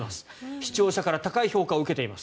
視聴者から高い評価を得ています。